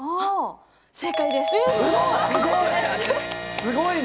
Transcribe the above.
すごいな。